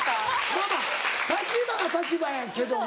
まぁまぁ立場が立場やけどな。